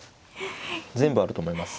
全部あると思います。